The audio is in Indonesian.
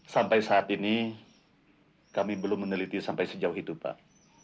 sampai saat ini kami belum meneliti sampai sejauh itu pak